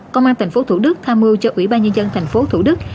công an thành phố thủ đức tham mưu cho ủy ban nhân dân thành phố thủ đức